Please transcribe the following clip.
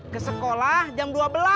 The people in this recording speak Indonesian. ke sekolah jam dua belas